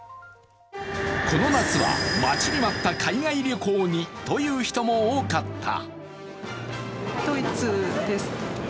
この夏は待ちに待った海外旅行にという人も多かった。